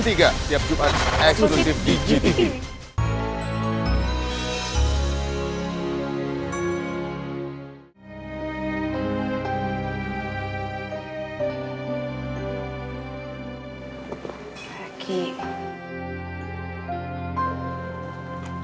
siap jumpa eksklusif di gtv